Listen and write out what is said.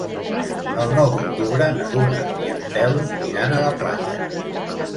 El nou d'octubre na Duna i en Telm iran a la platja.